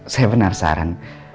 saya benar saran